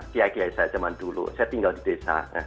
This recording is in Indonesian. kiai kiai saya zaman dulu saya tinggal di desa